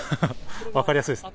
分かりやすいですね。